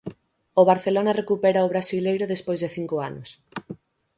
O Barcelona recupera o brasileiro despois de cinco anos.